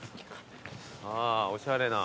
あーおしゃれな。